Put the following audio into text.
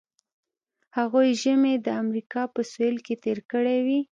هغوی ژمی د امریکا په سویل کې تیر کړی وي